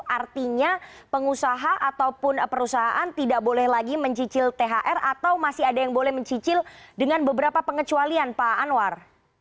artinya pengusaha ataupun perusahaan tidak boleh lagi mencicil thr atau masih ada yang boleh mencicil dengan beberapa pengecualian pak anwar